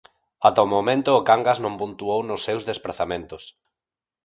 Ata o momento o Cangas non puntuou nos seus desprazamentos.